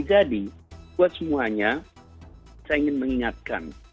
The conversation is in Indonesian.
jadi buat semuanya saya ingin mengingatkan